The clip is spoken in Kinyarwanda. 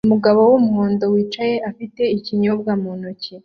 Umugabo wumuhondo wicaye afite ikinyobwa mu ntoki